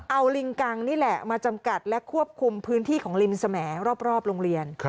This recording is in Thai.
เอาลิงกังนี่แหละมาจำกัดและควบคุมพื้นที่ของลิมสมรอบโรงเรียน